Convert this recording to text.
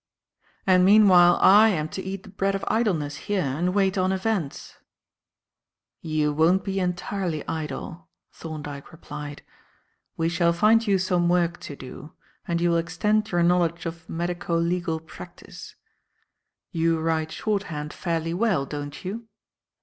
"And, meanwhile, I am to eat the bread of idleness here and wait on events." "You won't be entirely idle," Thorndyke replied. "We shall find you some work to do, and you will extend your knowledge of medico legal practice. You write shorthand fairly well, don't you?"